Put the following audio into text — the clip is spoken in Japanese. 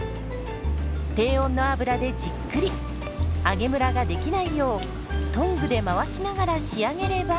低温の油でじっくり揚げむらができないようトングで回しながら仕上げれば。